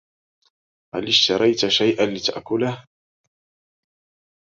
هل اشتريت شياً لتأكله